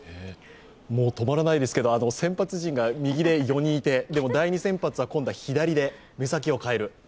もう止まらないですけど、先発陣が右で４人いて、でも第２先発は今度は左で、目先を変える。